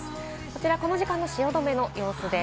この時間の汐留の様子です。